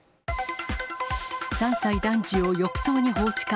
３歳男児を浴槽に放置か。